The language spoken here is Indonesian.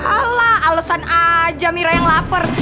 alah alesan aja mira yang lapar